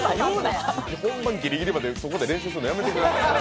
ギリギリまでそこで練習するのやめてください。